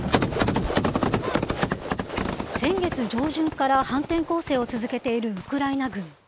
先月上旬から反転攻勢を続けているウクライナ軍。